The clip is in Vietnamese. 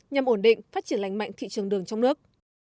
nhằm ổn định phát triển lành mạnh thị trường đường trong nước